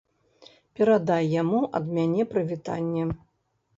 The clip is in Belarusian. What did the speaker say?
Перадай яму ад мяне прывітанне.